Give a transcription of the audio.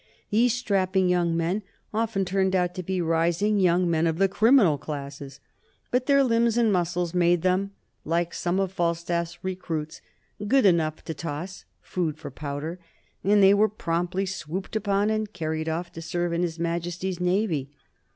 These strapping young men often turned out to be rising young men of the criminal classes, but their limbs and muscles made them like some of Falstaff's recruits, "good enough to toss food for powder," and they were promptly swooped upon and carried off to serve in his Majesty's Navy.